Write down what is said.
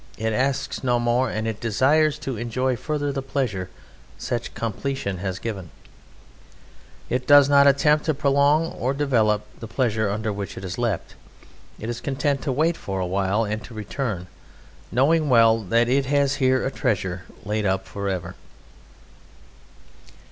It asks no more; and if it desires to enjoy further the pleasure such completion has given it, it does not attempt to prolong or to develop the pleasure under which it has leapt; it is content to wait a while and to return, knowing well that it has here a treasure laid up for ever.